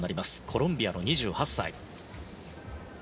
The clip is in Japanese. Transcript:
コロンビアの２８歳。